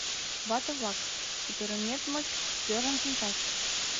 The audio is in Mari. Вате-влак, кутырымет-моч, ӧрын шинчат.